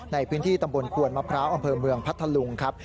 ในพื้นที่ตำบลควนมะพร้าวอำเภอเมืองพัทธลุงครับ